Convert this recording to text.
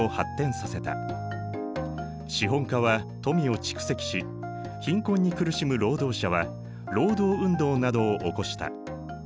資本家は富を蓄積し貧困に苦しむ労働者は労働運動などを起こした。